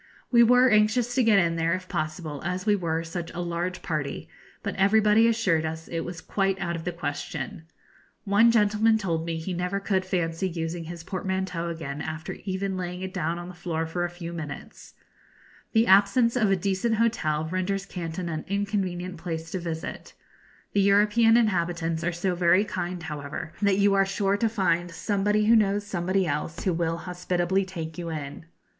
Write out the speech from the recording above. We were anxious to get in there if possible, as we were such a large party, but everybody assured us it was quite out of the question. One gentleman told me he never could fancy using his portmanteau again after even laying it down on the floor for a few minutes. The absence of a decent hotel renders Canton an inconvenient place to visit. The European inhabitants are so very kind, however, that you are sure to find somebody who knows somebody else who will hospitably take you in. [Illustration: The French Consulate, Canton.